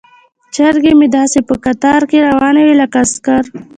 چرګې مې داسې په قطار کې روانې وي لکه عسکر.